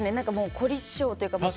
凝り性というか。